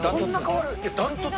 断トツ？